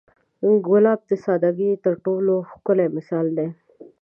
ګلاب د سادګۍ تر ټولو ښکلی مثال دی.